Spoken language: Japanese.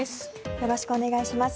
よろしくお願いします。